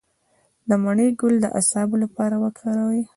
د مڼې ګل د اعصابو لپاره وکاروئ